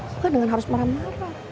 suka dengan harus marah marah